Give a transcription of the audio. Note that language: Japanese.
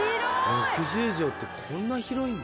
６０帖ってこんな広いんだ。